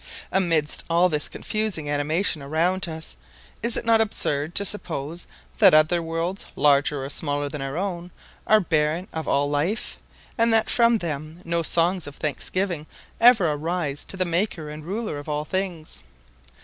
Amidst all this confusing animation around us, is it not absurd to suppose that other worlds, larger or smaller than our own, are barren of all life, and that from them no songs of thanksgiving ever arise to the Maker and Ruler of all things?